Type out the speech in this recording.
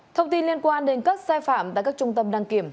thông tin liên quan đến các sai phạm tại các trung tâm đăng kiểm